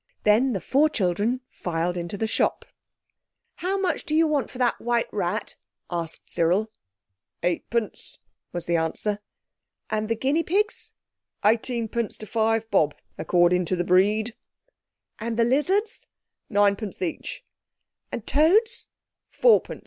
Then the four children filed into the shop. "How much do you want for that white rat?" asked Cyril. "Eightpence," was the answer. "And the guinea pigs?" "Eighteenpence to five bob, according to the breed." "And the lizards?" "Ninepence each." "And toads?" "Fourpence.